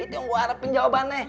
itu yang gue harapin jawabannya